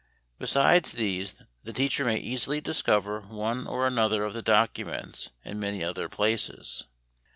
Beside these the teacher may easily discover one or another of the documents in many other places.